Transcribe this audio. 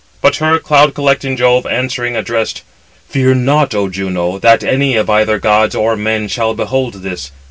But her cloud collecting Jove, answering, addressed: "Fear not, O Juno, that any of either gods or men shall behold this.